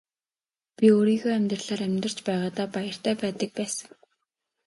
Би өөрийнхөө амьдралаар амьдарч байгаадаа баяртай байдаг байсан.